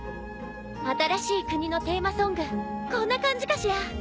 新しい国のテーマソングこんな感じかしら？